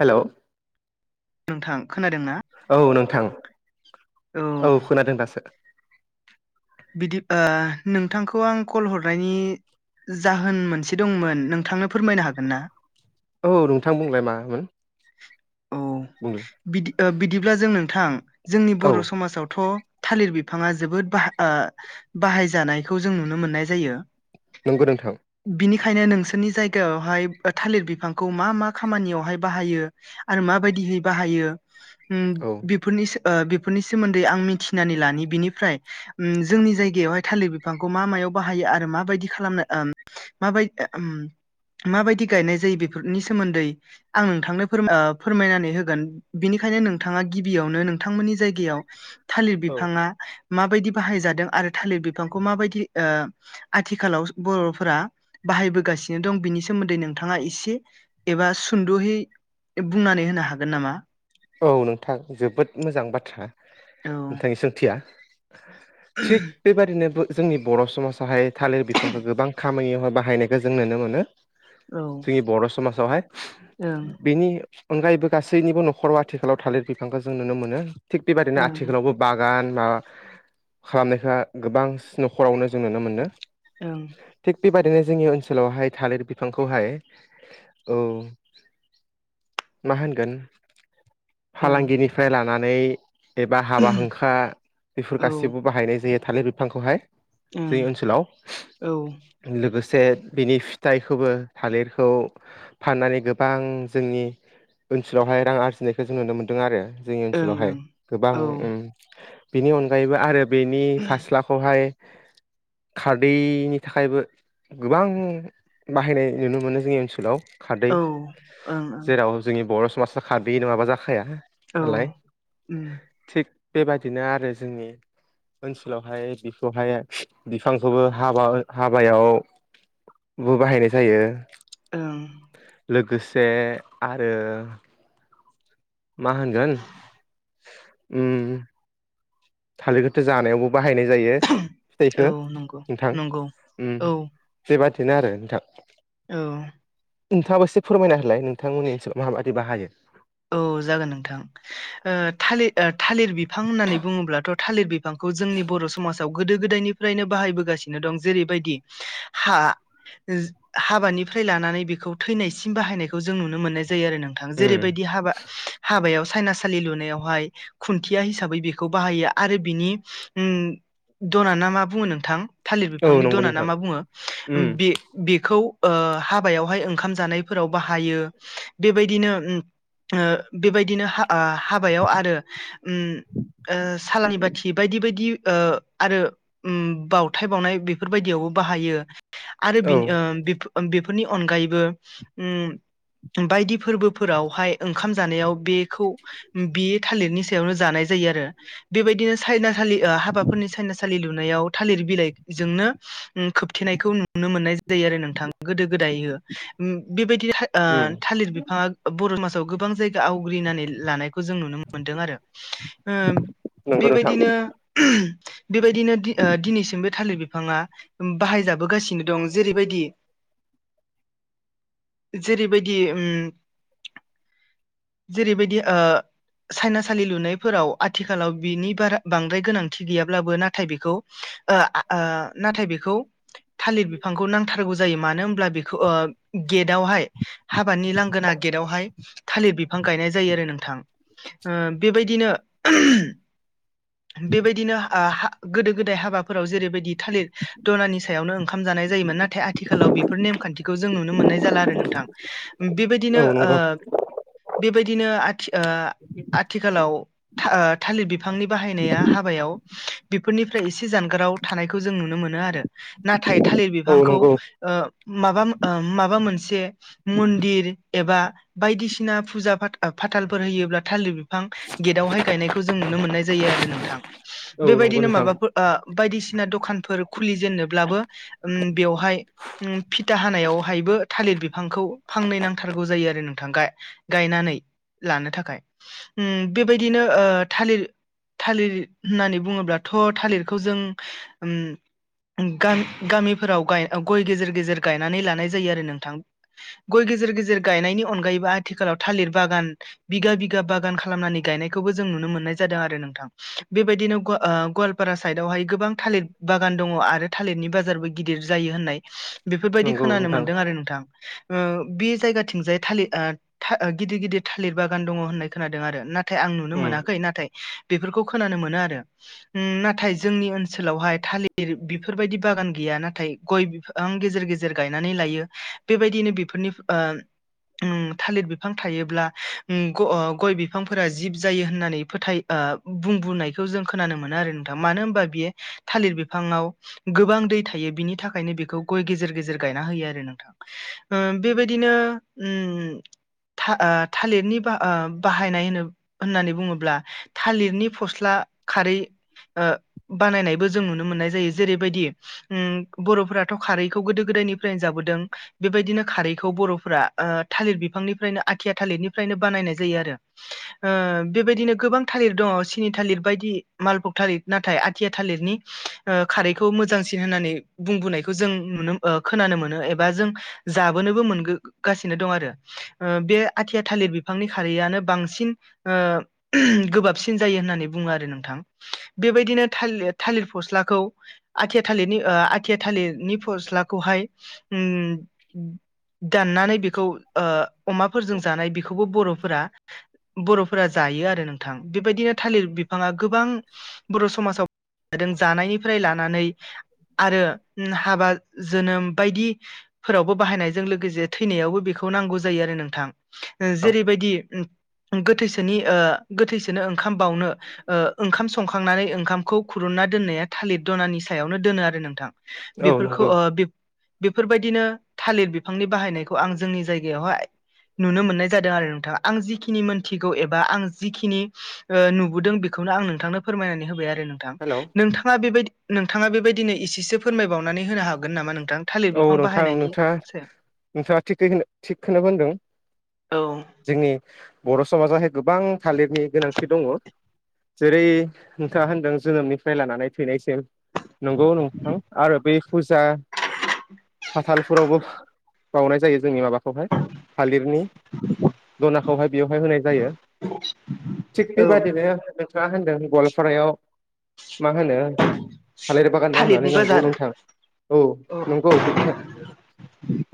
Hello. नोंथां। खोनादोंना औ नोंथां औ खोनादों दासो। बिदि ओ नोंथांखौ आं कल हरनायनि जाहोन मोनसे दंमोन नोंथांनो फोरमायनो हागोन ना औ नोंथां बुंलाय मामोन? औ बुंलाय बिदि ओ बिदिब्ला जों नोंथां जोंनि औ बर' समाजावथ' थालिर बिफाङा जोबोद बाह ओ बाहायजानायखौ जों नुनो मोननाय जायो। नंगौ नोंथां। खायनो नोंसोरनि जायगायावहाय ओ थालिर बिफांखौ मा मा खामानियावहाय बाहायो आरो माबायदिहै बाहायो उम औ बेफोरनि सो ओ बेफोरनि सोमोन्दै आं मिथिनानै लानो बिनिफ्राय उम जोंनि जायगायावहाय थालिर बिफांखौ मा मायाव बाहायो आरो माबायदि खालामो ओ माबाय ओम माबायदि गायनाय जायो बेफोरनि सोमोन्दै आं नोंथांनो फोरमा ओ फोरमायनानै होगोन बिनिखायनो नोंथाङा गिबियावनो नोंथांमोननि जायगायाव थालिर बिफाङा माबायदि बाहायजादों आरो थालिर बिफांखौ माबायदि ओ आथिखालाव बर'फोरा बाहायबोगासिनो दं बिनि सोमोन्दै नोंथाङा एसे एबा सुद'यै बुंनानै होनो हागोन नामा? औ नोंथां जोबोद मोजां बाथ्रा औ नोंथांनि सोंथिया। थिग बेबादिनो बो जोंनि बर' समाजाहाय थालिर बिफांखौ गोबां खामानियावहाय बाहायनायखौ जों नुनो मोनो औ जोंनि बर' समाजावहाय। ओं बेनि अनगायैबो गासैनिबो न'खराव आथिखालाव थालिर बिफांखौ जों नुनो मोनो। थिग बेबायदिनो ओं आथिखालावबो बागान मा खालामनायखौ गोबांस न'खरावनो जों नुनो मोनदों। ओं थिग बे बायदिनो जोंनि ओनसोलावहाय थालिर बिफांखौ हाय औ मा होनगोन ओं फालांगिनिफ्राय लानानै एबा हाबा हांखा बेफोर औ गासिबोआव बाहायनाय जायो। थालिर बिफांखौहाय ओं जोंनि ओनसोलाव औ ओं लोगोस से बिनि फिथाइखौबो थालिरखौ फाननानै गोबां जोंनि ओनसोलावहाय रां आरजिनाय जों नुनो मोनदों आरो जोंनि ओनसोलावहाय ओं गोबां औ उम बिनि अनगायैबो आरो बेनि फास्लाखौहाय [unintelligible] खारदैनि थाखायबो गोबां बाहायनाय नुनो मोनो जोंनि ओनसोलाव। खारदै ओं ओं जेराव जोंनि बर' समाजाव खारदैयो नङाबा जाखाया औ नालाय उम थिग बेबायादिनो आरो जोंनि ओनसोलाव हाय बेखौहाय बिफांखौबो हाबा-हाबायाव बो बाहायनाय जायो। ओं लोगोसे आरो मा होनगोन? उम थालिरखोथ' जानायावबो बाह बाहायनाय जायो औ फिथाइखौ नंगौ नोंथां। नंगौ उम औ बेबादि बेनो आरो नोंथां। औ। नोंथाङाबो एसे फोरमायना होलाय नोंथांमोननि ओनसोलाव मा बायदि बाहायो? औ जागोन नोंथां ओ थालिर थालिर बिफां होननानै बुङोब्लाथ' थालिर बिफांखौ जोंनि बर' समाजाव गोदो - गोदायनिफ्रायनो बाहायबोगासिनो दं। जेरैबायदि हा - हाबानि निफ्राय लानानै बेखौ थैनायसिम बाहायनायखौ जों नुनो मोननाय जायो। जायो आरो नोंथां उम जेरैबायदि हाबा - हाबाव सायनासालि लुनायावहाय खुन्थिया हिसाबै बेखौ बाहायो आरो बिनि उ दना ना मा बुङो नोंथां? थालिर औ बिफांनि नंगौ दना ना नोंथां मा बुङो? उम बे बेखौ ओ हाबायावहाय ओंखाम जानायफोराव बाहायो। बेबायदिनो ओ बेबायदिनो हा आ हाबायाव आरो ओ सालानि बाथि बायदि - बायदि ओ आरो ओ बावथाय बावनाय बेफोरबायदियावबो बाहायो। आरो औ बिनि ओ बि फोरनि अनगायैबो बायदि फोरबोफोराव हाय ओंखाम जानायाव बेखौ बेयो थालिरनि सायावनो जानाय जायो आरो। बेबादिनो साननि सायनासा हाबाफोरनि सायनासालि लुनायाव थालिर बिलाइजोंनो खोबथेनायखौ नुनो मोननाय ज जायो आरो नोंथां गोदो - गोदाय हो बेबायदि ओ उम थालिर बिफाङा बर' म गोबां जायगा आवग्रिनानै लानायखौ जों खौ जों नुनो मोनदों आरो ओ नंगौ नोंथां बेबायदिनो बेबायदिनो ओ दिनैसिम थालिर बि बिफाङा बाहायजाबोगासिनो दं जेरैबायदि जेरैबायदि उम जेरैबायदि ओ सायनासालि लुनायफोराव आथिखालाव बिनि बारा बांद्राय गोनांथि गैयाब्लाबो नाथाय बेखौ ओ-ओ नाथाय बेखौ थालिर बिफांखौ नांथारगौ जायो मानो होनोमब्ला बेखौ गेटावहाय हाबानि लांगोना गेटआवहाय थालिर बिफां गायनाय जायो आरो नोंथां ओ बेबायदिनो बेबायदिनो आ हा गोदो गोदाय हाबाफोराव जेरैबायदि थालिर दनानि सायावनो ओंखाम जानाय जायोमोन नाथाय आथि। आथिखालाव बेफोर नेमखान्थिखौ जों नुनो मोननाय जाला आरो नोंथां औ बेबायदिनो ओ। नंगौ बेबायदिनो आथि ओ आथिखालाव थालिर बिफ। बिफांनि बाहायनाया हाबायाव। बेफोरनिफ्राय एसे जानगाराव थानायखौ जों नुनो मोनो आरो नाथाय थालिर औ बिफांखौ नंगौ ओ। माबा माबा मोनसे मन्दिर एबा। बायदिसिना फुजा फाथालफोर होयोब्ला थालिर बिफां गेटावहाय गायनायखौ जों नुनो मोननाय जायो आरो। दे नोंथां औ नंगौ बेबायदिनो नोंथां माबाफोर। ओ बायदिसिना दखानफोर खुलि जेननोब्लाबो उ बेवहाय फिथा हानायावहाय। ब थालिर बिफांखौ फांनै नांथारगौ जायो आरो नों। गाय गायनानै लानो थाखाय उ बेबायदिनो ओ थालिर। थालिर होननानै बुङोब्लाथ' थालिरखौ जों उम गा- गामि गामिफोराव गाय गय गेजेर गेजेर गायनानै लानाय जायो आरो नोंथां। गय गे जेर गेजेर गायनायनि अन गायोबा आथिखालाव थालिर बागान बिगा बिगा बागान खालामनानै गायनायखौबो जों नुनो मोननाय जादों आरो नोंथां। बेबायदिनो ग- ओ गवालपारा साइदावहाय गोबां थालिर बागान दङ आरो थालिरनि बाजारबो गि दिर जायो होननाय बेफोरबायदि नंगौ खोनानो नोंथां मोन्दों आरो नोंथां। ओ बे जायगाथिंजाय थालिर ओ था- गिदिर गिदिर थालिर बागान दङ होननाय खोनादों आरो नाथाय आं नुनो उम मोनाखै नाथाय बेफोरखौ खोनानो मोनो आरो। उम नाथाय जोंनि ओनसोलावहाय थालिर बेफोरबायदि बागान गैया नाथाय गय बिफां गेजेर गेजेर गायनानै लायो बेबायदिनो बेफोरनि ओ उम थालिर बिफां थायोब्ला उम गय बिफांफोरा जिब जायो होननानै फोथाय ओ बुं [unintelligible] खौ जों खोनानो मोन आरो नोंथा मानो होनबा बेयो थालिर बिफाङाव गोबां दै था यो बिनि थाखायनो बेखौ गय गेजेर गेजेर गायना होयो आरो नोंथां। ओ बेबायदिनो उम। था- ओ थालिरनि बा- बाहायनाय होनो होननानै बुङोब्ला थालिरनि फस्ला खारै ओ बानायनायबो जों नुनो मोननाय जायो जेरैबायदि उम बर'फोरा थ' खारैखौ गोदो गोदायनिफ्रायनो जाबोदों बेबायदिनो खारैखौ बर'फ्रा ओ थालिर बिफांनिफ्रायनो आथिया थालिरनिफ्रायनो बानायनाय जायो आरो। ओ बेबायदिनो गोबां था लिर दङ थालिर बायदि मालबुग थालिर ना आथिया थालिरनि ओ खारैखौ मोजांसिन। होननानै बुंबोनायखौ जों नुनो ओ खोनानो मोनो एबा जों जाबोनोबो मोनगो गासिनो दं आरो बे आथिया थालिर बिफांनि खारैआनो बांसिन ओ गोबाबसिन जायो होननानै बुङो आरो नोंथां। बेबायदिनो थालि थालिर फस्लाखौ आथि थालिरनि आथिया थालिरनि फस्लाखौहाय उम नानै बेखौफ ओ अमाफोरजों जानाय बेखौ बर'फोरा बर'फोरा जायो आरो नोंथां बेबायदिनो थालिर बिफाङा गोबां। बर' समाजाव जादों जानायनिफ्राय लानानै आरो हाबा जोनोम बायदिफोरावबो बाहायनायजों लोगोसे थैनायावबो बेखौ नांगौ जायो आरो नोंथां जेरैबायदि गोथैसोनि ओ गोथैसोनो ओंखाम ओ बावनो ओंखाम संखांनानै ओंखामखौ खुरन ना दोननाया थालिर दनानि सायावनो दोनो आरो नोंथां औ बेफोरखौ नंगौ ओ बे बेफोरबायदिनो थालिर बिफांनि बाहायनायखौ आं जोंनि जायगायावहाय नुनो मोननाय जादों आरो नोंथाङा, आं जिखिनि मोनथिगौ एबा आं जिखिनि ओ नुबोदों बेखौ नो आं नोंथांनो फोरमायनानै होबाय आरो। नोंथां। हेल' नोंथाङा बेबायदि नोंथाङा बेबायदिनो एसेसो फोरमायबावनानै होनो हागोन नामा नों औ नोंथां नोंथाङा नोंथाङा। थिग बेबायदिनो थिग खौनो बुंदों। औ जोंनि बर' समाजाहाय गोबां थालिरनि गोनांथि दङ। जेरै नोंथाङा होनदों जोनोमनिफ्राय लानानै थैनायसिम नंगौ नोंथां आरो बै फुजा फाथालफोरावबो बाउनाय जायो जोंनि माबा खौहाय थालिरनि दनाखौहाय बेवहाय होनाय जायो। थिग औ बेबादिनो नोंथाङा होनदों गवालपारायाव मा होनो थालिर बागान दं होननानै थालिरनि नंगौ बाजार नोंथां औ। औ [unintelligible]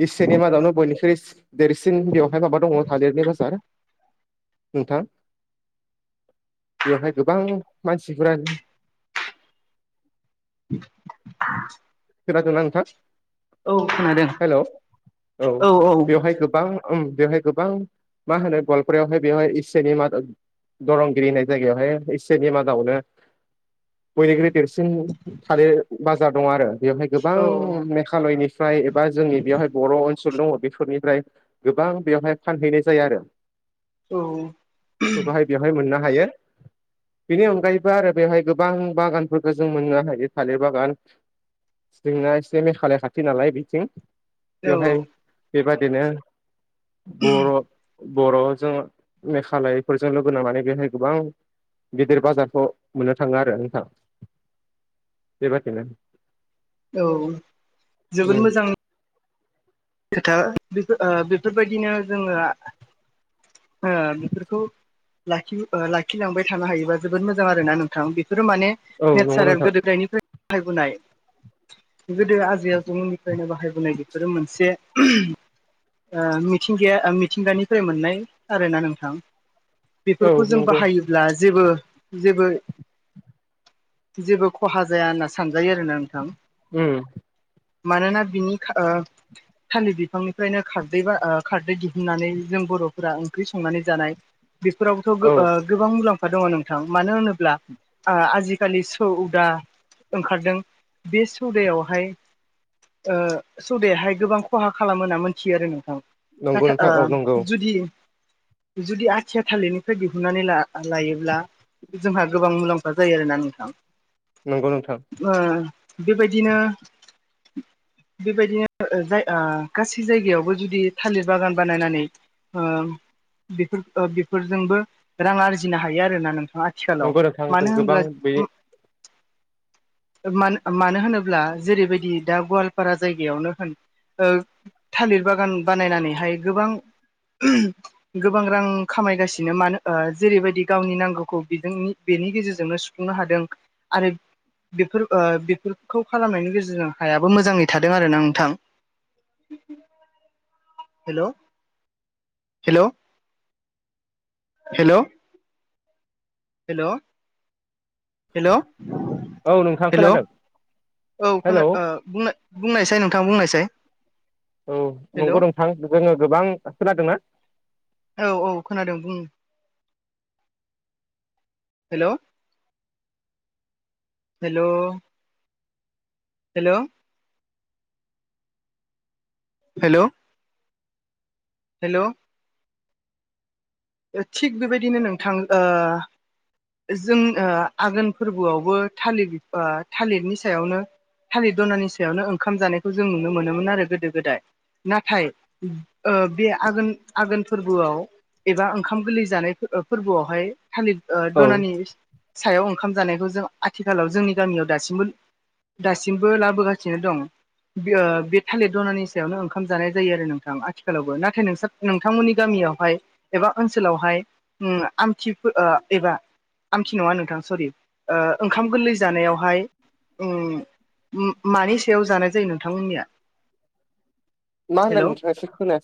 एसियानि मादावनो बय निख्रुइ देरसिन बेयावहाय माबा दङ थालिरनि बाजार नोंथां बेवहाय गोबां मानसिफोरा [unintelligible] खोनादोंना नोंथां? औ खोनादों हेलौ औ बेवहाय गोबां उम बेवहाय गोबां मा होनो गवालपारायावहाय बेवहाय एसियानि मादाव दरंगिरि होननाय जायगायावहाय एसियानि मादावनो बयनिख्रुइ देरसिन जों थालिर बाजार दं आरो बेवहाय औ गोबां मेघालयनिफ्राय एबा जोंनि बेयावहाय बर ओन सोल दङ बेफोरनिफ्राय गोबां बेवहाय फानहैनाय जायो आरो औ बेहाय बेवहाय मोननो हायो। बेनि अनगायैबो आरो बेवहाय गोबां बागानफोरखौ जों मोननो हायो थालिर बागान जोंना एसे मेघालय खाथि नालाय बेथिं बेवहाय औ बेबादि दिनो बर' बर'जों मेघालयफोरजों लोगो नांनानै बेहाय गोबां गिदिर बाजारखौ मोननो थाङो आरो नोंथां बेबादिनो। औ जोबोद उम मोजां खोथा बेफोर ओ बेफोरबायदिनो जोङो ओ बेफोरखौ लाखि ओ लाखिलांबाय थानो हायोबा जोबोद मोजां आरो ना नोंथां। बेफोरो माने औ नंगौ नेचारेल नोंथां गोदो गोदायनिफ्राय बाहायबोनाय गोदो आजै आजौमोननिफ्रायनो बाहायबोनाय बेफोरो मोनसे ओ मिथिंगाया मिथिंगानिफ्राय मोननाय आरोना नोंथां। औ बेफोरखौ जों नंगौ बाहायोब्ला जेबो जेबो जेबो खहा जाया होनना सानजायो आरोना नोंथां। उम मानोना बिनि ओ थाललिर बिफांनिफ्रायनो खारदै बा आ खारदै दिहुनन्नानै जों बरफोरा ओंख्रि संनानै जानाय बेफोरावथ‌ गो औ ओ गोबां मुलाम बा दङ नोंथां मानो होनोब्ला आजिखालि सौ दा ओंखारदों बे सौदायावहाय ओ सौदायाहाय गोबां खहा खालामो होनना मोन्थियो आरो नोंथां नंगौ नाथाय नोंथां औ नंगौ ओ जुदि जुदि आथिया थालिरनिफ्राय दिहुननानै ला लायोब्ला जोंहा गोबां मुलाम्फा जायो आरोना नोंथां। नंगौ नोंथां ओ बेबायदिनो बेबायदिनो जाय ओ गासै जायगायावबो जुदि थालिर बागान बानायनानै ओ बेफोर ओ बेफोरजोंबो रां आरजिनो हायो आरोना नोंथां आथिखालाव नंगौ नोंथां जों मानो गोबां होनब्ला बे मानो मानो होनोब्ला जेरैबायदि दा गवालपारा जायगायावनो होन। ओ थालिर बागान बानायनानैहाय गोबां गोबां रां खामायगासिनो मानो ओ जेरैबायदि गावनि नांगौखौ बिजोंनि बेनि गेजेरजोंनो सुफुंनो हादों आरो बेफोर ओ बेफोरखौ खालामनायनि गेजेरजों हायाबो मोजाङै थादों आरो ना नोंथां। Hello hello hello hello hello औ नोंथां खोनादों? औ खोना हेलौ ओ बुंनायसाय नोंथां बुंनायसाय। औ हेल' नंगौ नंथां जोङो गोबां खोनदोंना? औ औ खोनादों बुं hello hello hello hello hello थिग बेबायदिनो नोंथां ओ जों ओ आघोन फोरबोआवबो थालिर ओ थालिरनि सायावनो। थालिर दनानि सायावनो ओंखाम जानायखौ जों नुनो मोनोमोन आरो गोदो गोदाय। नाथाय ओ बे आघोन आघोन फोरबोआव एबा ओंखाम गोरलै जानाय फोरबोआवहाय थालिर ओ औ दनानि सायाव ओंखाम जानायखौ जों आथिखालाव जोंनि गामियाव दासिमबो दासिमबो लाबोगासिनो दं। बेओ थालिर दनानि सायावनो ओंखाम जानाय जायो आरो नोंथां आथिखालावबो नाथाय नोंसोर नोंथांमोननि गामि इयावहाय एबा ओनसोलावहाय उम आमथि एबा आंखि नङा नोंथां सरि ओ ओंखाम गोरलै जानायावहाय उम उम मानि सायाव जानाय जायो नोंथांमोननिया? मा होनदों नोंथां ऐसे खोना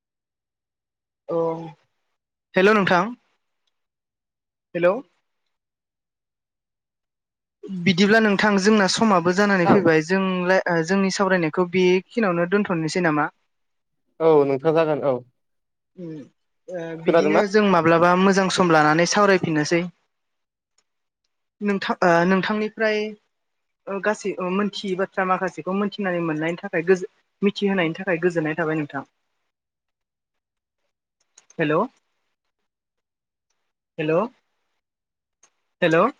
औ हेल' नोंथां। हेल'। बिदिब्ला नोंथां जोंना समाबो जानानै आं फैबाय जोंलाय जोंनि सावरायनायखौ बेखिनियावनो दोन्थ'नोसै नामा? औ नोंथाङा जागोन औ। ओ खोनादोंना बिदिनो जों मा माब्लाबा मोजां सम लानानै सावरायफिननोसै। नोंथा ओ नोंथांनिफ्राय गासै मोनथियै बाथ्रा माखासेखौ मोनथिनानै मोननायनि थाखाय गोजो मिथिहोनायनि थाखाय गोजोननाय थाबाय नोंथां हेल'। हेल' हेल'।